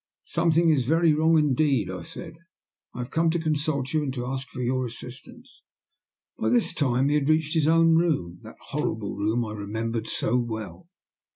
"Something is very wrong indeed," I said. "I have come to consult you, and to ask for your assistance." By this time he had reached his own room that horrible room I remembered so well.